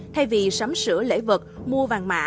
thay vì sắm sửa lễ vật mua vàng mã